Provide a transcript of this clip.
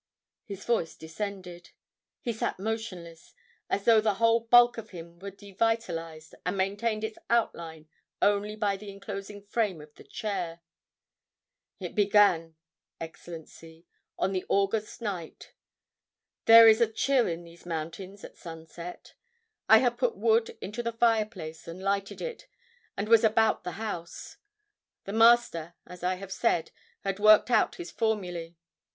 His voice descended. He sat motionless, as though the whole bulk of him were devitalized, and maintained its outline only by the inclosing frame of the chair. "It began, Excellency, on an August night. There is a chill in these mountains at sunset. I had put wood into the fireplace, and lighted it, and was about the house. The Master, as I have said, had worked out his formulae.